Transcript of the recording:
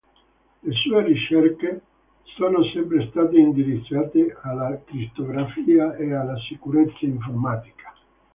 Le sue ricerche sono sempre state indirizzate alla crittografia e alla sicurezza informatica.